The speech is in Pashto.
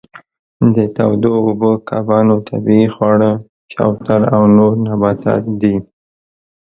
د تودو اوبو کبانو طبیعي خواړه شوتل او نور نباتات دي.